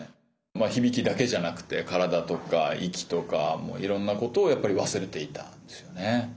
まあ響きだけじゃなくて体とか息とかいろんなことを忘れていたんですよね。